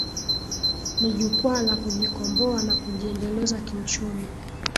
Ni jukwaa la kujikomboa na kujiendeleza kiuchumi